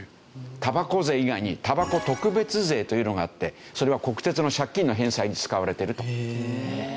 たばこ税以外にたばこ特別税というのがあってそれは国鉄の借金の返済に使われてるという事なんですよね。